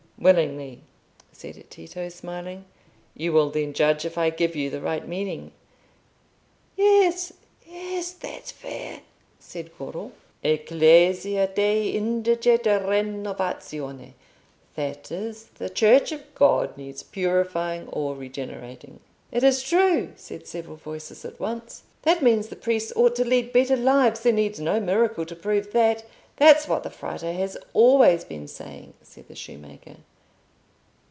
"Willingly," said Tito, smiling. "You will then judge if I give you the right meaning." "Yes, yes; that's fair," said Goro. "Ecclesia Dei indiget renovatione; that is, the Church of God needs purifying or regenerating." "It is true," said several voices at once. "That means, the priests ought to lead better lives; there needs no miracle to prove that. That's what the Frate has always been saying," said the shoemaker.